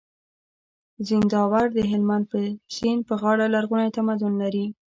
زينداور د هلمند د سيند پر غاړه لرغونی تمدن لري